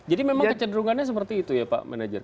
jadi memang kecederungannya seperti itu ya pak manager